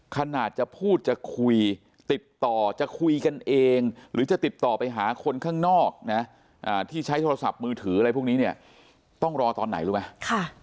ขนาดจะพูดจะคุยติดต่อจะคุยกันเองหรือจะติดต่อไปหาคนข้างนอกนะที่ใช้โทรศัพท์มือถืออะไรพวกนี้เนี่ยต้องรอตอนไหนรู้ไหม